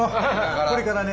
これからね。